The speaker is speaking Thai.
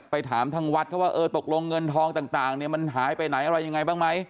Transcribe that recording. ถามทางวัดเขาว่าเออตกลงเงินทองต่างเนี่ยมันหายไปไหนอะไรยังไงบ้างไหม